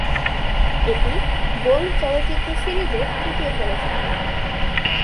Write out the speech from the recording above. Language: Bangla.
এটি বোর্ন চলচ্চিত্র সিরিজের তৃতীয় চলচ্চিত্র।